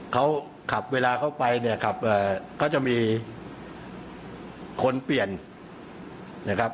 เขาขับเวลาเขาไปเนี่ยขับเขาจะมีคนเปลี่ยนนะครับ